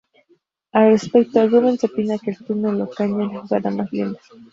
Al respecto, Rubens opina que el "túnel" o "caño" es la "jugada más linda".